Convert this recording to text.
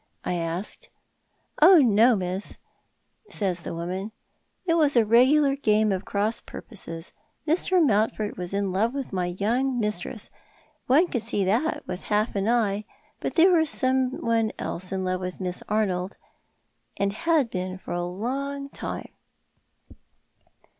" I asked. . Cora expatiates, 273 " Oh no, miss," saj'S the woraan. " It was a regular game of cross purposes. ^Ir. jMountford was in love with my young mistress. One could sec that with half an eye ; but there was someone else in love with Miss Arnold, and had been for a long time."